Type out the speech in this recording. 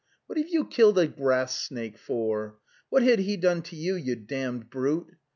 '' What have you killed a grass snake for? What had he done to you, you damned brute?